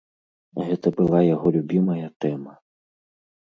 Гэта была яго любімая тэма.